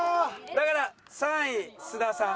だから３位須田さん。